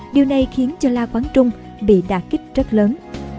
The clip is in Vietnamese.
điều này khiến cho la quán trung bị đạt kích rất lớn